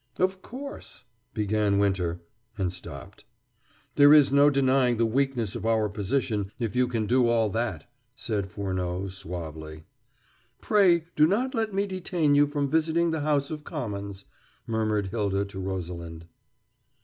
"Of course " began Winter, and stopped. "There is no denying the weakness of our position if you can do all that," said Furneaux suavely. "Pray do not let me detain you from visiting the House of Commons," murmured Hylda to Rosalind.